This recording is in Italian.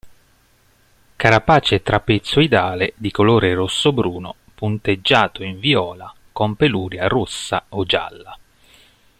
Carapace trapezoidale di colore rosso-bruno, punteggiato in viola, con peluria rossa o gialla.